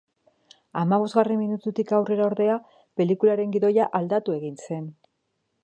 Hamabosgarren minututik aurrera, ordea, pelikularen gidoia aldatu egin zen.